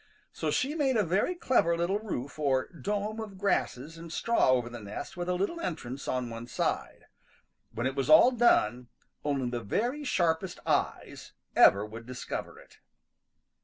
So she made a very clever little roof or dome of grasses and straw over the nest with a little entrance on one side. When it was all done only the very sharpest eyes ever would discover it.